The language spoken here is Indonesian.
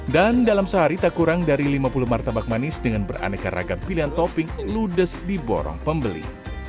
dan dalam sehari tak kurang dari lima puluh martabak manis dengan beraneka ragam pilihan topping ludes di borong pembeli